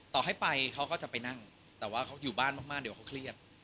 ต่อให้ไปเขาก็จะไปนั่งแต่ว่าเขาอยู่บ้านมากเดี๋ยวเขาเครียด